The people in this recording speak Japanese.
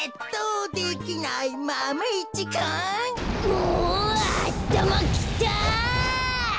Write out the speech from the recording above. もうあたまきた！